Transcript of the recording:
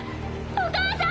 お母さん！